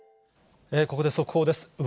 ここで速報です。